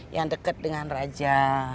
yang dekat dengan raja